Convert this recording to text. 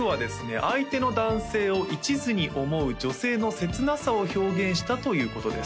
相手の男性を一途に思う女性の切なさを表現したということです